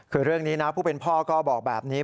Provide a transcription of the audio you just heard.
คือเรื่องนี้นะผู้เป็นพ่อก็บอกแบบนี้